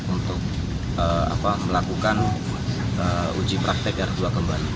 untuk melakukan uji praktek r dua kembali